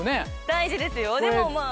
大事ですよでもまぁ。